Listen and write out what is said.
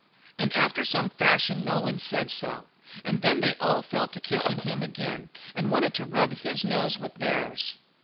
And after some fashion Nolan said so. And then they all fell to kissing him again, and wanted to rub his nose with theirs.